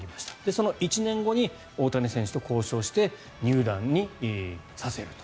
その１年後に大谷選手と交渉して入団させると。